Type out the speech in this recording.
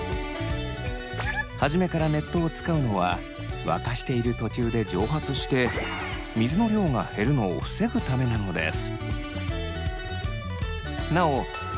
初めから熱湯を使うのは沸かしている途中で蒸発して水の量が減るのを防ぐためなのです。